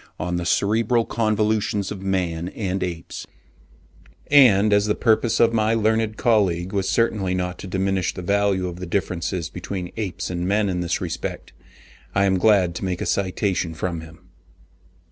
on the cerebral convolutions of man and apes; and as the purpose of my learned colleague was certainly not to diminish the value of the differences between apes and men in this respect, I am glad to make a citation from him.